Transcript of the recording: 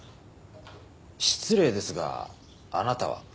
失礼ですがあなたは？